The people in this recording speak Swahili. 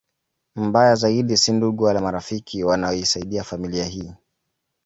Mbaya zaidi si ndugu wala marafiki wanaoisaidia familia hii